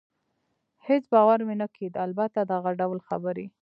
هېڅ باور مې نه کېده، البته دغه ډول خبرې.